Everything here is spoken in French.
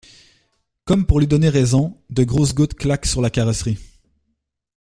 Comme pour lui donner raison, de grosses gouttes claquent sur la carrosserie.